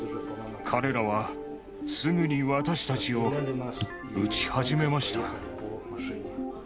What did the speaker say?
彼らはすぐに私たちを撃ち始めました。